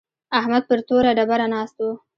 احمد پر توره ډبره ناست و.